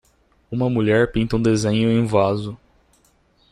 Uma mulher pinta um desenho em um vaso.